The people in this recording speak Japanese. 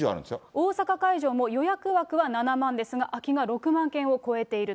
大阪会場も予約枠は７万ですが、空きが６万件を超えていると。